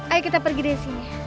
ayo kita pergi dari sini